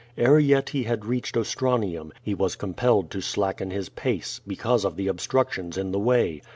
Ere yet he had reached Ostranium, he was compell ed to slacken hie pace, because of the obstructions in the way.